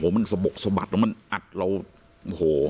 มันสะบกสะบัดมันอัดเรา